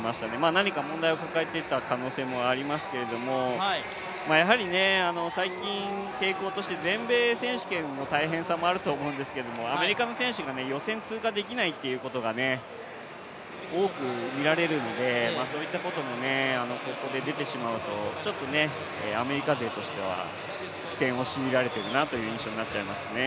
何か問題を抱えていた可能性もありますけれどもやはり最近、傾向として全米選手権の大変さもあるんですけどアメリカの選手が予選通過できないということが多く見られるのでそういったこともここで出てしまうと、アメリカ勢としては苦戦を強いられてるなという印象になっちゃいますね。